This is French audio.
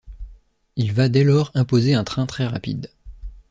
Il va dès lors imposer un train très rapide.